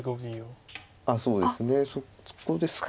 そうですねそこですか。